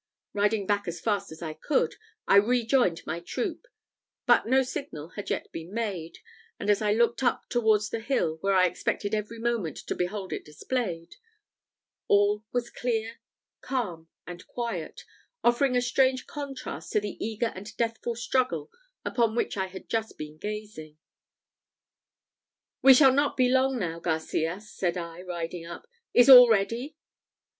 Riding back as fast as I could, I rejoined my troop; but no signal had yet been made; and as I looked up towards the hill, where I expected every moment to behold it displayed, all was clear, calm, and quiet; offering a strange contrast to the eager and deathful struggle upon which I had just been gazing. "We shall not be long now, Garcias," said I, riding up. "Is all ready?"